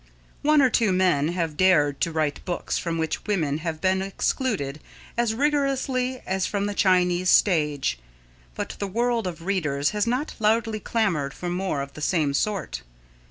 One or two men have dared to write books from which women have been excluded as rigorously as from the Chinese stage, but the world of readers has not loudly clamoured for more of the same sort.